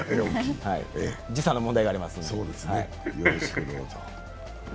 時差の問題がありますんで。